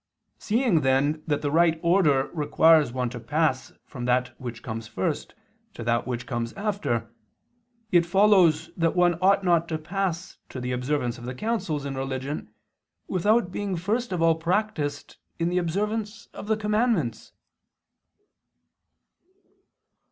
Seeing then that the right order requires one to pass from that which comes first to that which comes after, it follows that one ought not to pass to the observance of the counsels in religion, without being first of all practiced in the observance of the commandments.